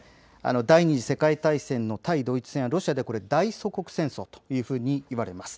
第２次世界大戦の対ドイツ戦はロシアでは大祖国戦争というふうにいわれます。